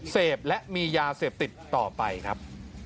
เสพและมียาเสพติดต่อไปครับ